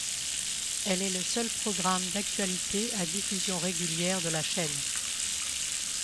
Elle est le seul programme d'actualité à diffusion régulière de la chaîne.